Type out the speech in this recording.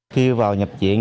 khi vào nhập viện